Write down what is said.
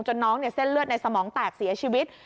น้องเส้นเลือดในสมองแตกเสียชีวิต